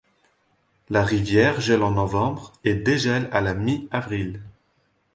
La rivière gèle en Novembre et dégèle à la mi-Avril.